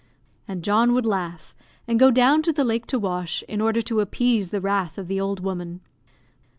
And John would laugh, and go down to the lake to wash, in order to appease the wrath of the old woman.